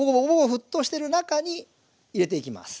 沸騰してる中に入れていきます。